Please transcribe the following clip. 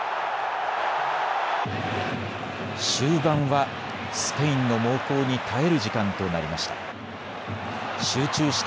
終盤はスペインの猛攻に耐える時間となりました。